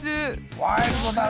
ワイルドだろ。